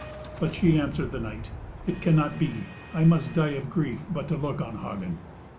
But she answered the knight, "It cannot be; I must die of grief but to look on Hagen."